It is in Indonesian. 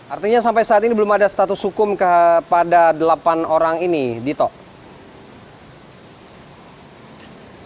artinya sampai saat ini belum ada status hukum kepada delapan orang yang berada di kumpulan ini